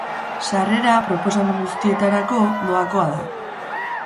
Sarrera, proposamen guztietarako, doakoa da.